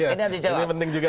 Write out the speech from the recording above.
ini penting juga ya